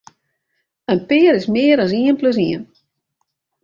In pear is mear as ien plus ien.